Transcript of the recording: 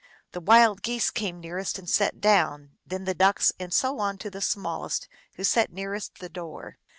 The Wild Geese came nearest and sat down, then the Ducks, and so on to the small est, who sat nearest the door.